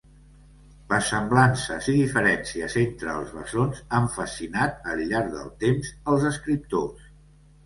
Les semblances i diferències entre els bessons han fascinat al llarg del temps els escriptors.